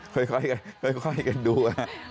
ค่อยกันดู